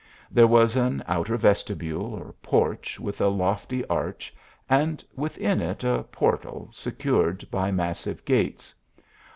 There was an outer vestioule or porch with a lofty arch, and within it a portal secured by massive gates.